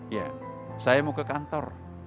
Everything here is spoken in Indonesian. ya saya mau ke kantor